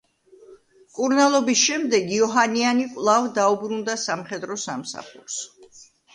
მკურნალობის შემდეგ, ოჰანიანი კვლავ დაუბრუნდა სამხედრო სამსახურს.